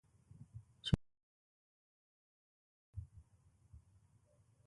چې له تنې یې ډېرې لرې وي .